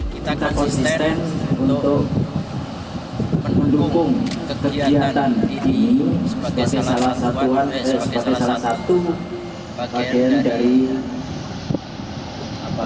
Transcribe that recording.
kita akan konsisten untuk mendukung kegiatan ini sebagai salah satu bagian dari